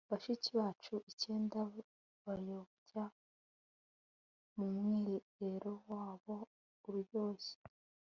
bashiki bacu icyenda bayobya mumwiherero wabo uryoshye